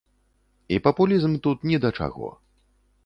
І папулізм тут ні да чаго.